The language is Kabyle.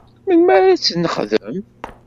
Melmi ara ad tt-nexdem?